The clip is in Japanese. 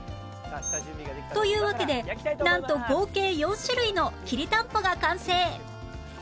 というわけでなんと合計４種類のきりたんぽが完成